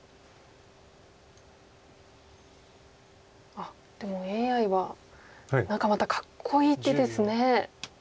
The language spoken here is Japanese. あっでもＡＩは何かまたかっこいい手ですね。